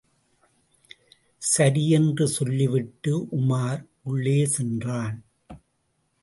சரி என்று சொல்லிவிட்டு உமார் உள்ளே சென்றான்.